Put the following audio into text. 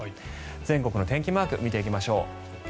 全国の天気マーク見ていきましょう。